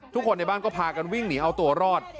ทุกคนในบ้านก็พากันวิ่งหนีเอาตัวรอด